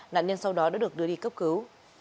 nạn nhân sau đó đã được đưa đi cấp cứu